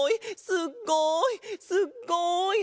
すっごい！